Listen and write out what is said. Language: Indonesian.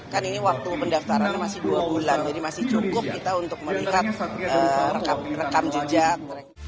kan ini waktu pendaftarannya masih dua bulan jadi masih cukup kita untuk melihat rekam jejak